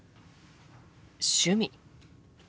「趣味」。